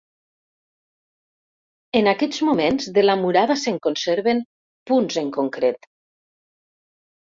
En aquests moments de la murada se'n conserven punts en concret.